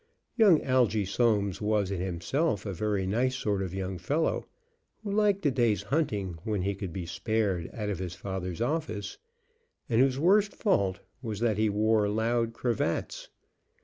Young Algy Soames was in himself a very nice sort of young fellow, who liked a day's hunting when he could be spared out of his father's office, and whose worst fault was that he wore loud cravats.